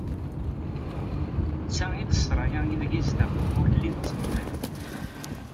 D ta i d ssṛaya ideg izdeɣ ugellid d tgellidt.